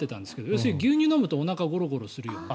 要するに牛乳を飲むとおなかがゴロゴロするよね。